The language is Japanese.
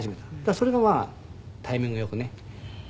それがまあタイミング良くね当たって。